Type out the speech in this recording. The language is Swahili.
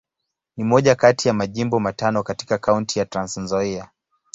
Ni moja kati ya Majimbo matano katika Kaunti ya Trans-Nzoia.